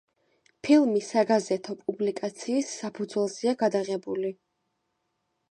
ფილმი საგაზეთო პუბლიკაციის საფუძველზეა გადაღებული.